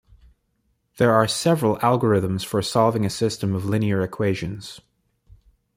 There are several algorithms for solving a system of linear equations.